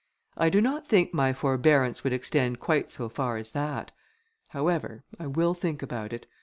"I do not think my forbearance would extend quite so far as that: however, I will think about it.